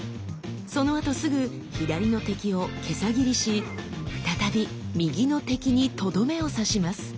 そのあとすぐ左の敵を袈裟斬りし再び右の敵にとどめを刺します。